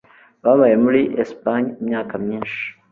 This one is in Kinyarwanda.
babaye muri espagne imyaka myinshi